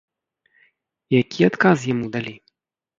Які адказ яму далі?